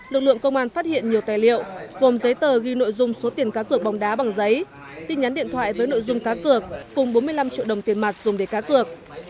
lực lượng công an phát hiện nhiều tài liệu gồm giấy tờ ghi nội dung số tiền cá cược bóng đá bằng giấy tin nhắn điện thoại với nội dung cá cược cùng bốn mươi năm triệu đồng tiền mặt dùng để cá cược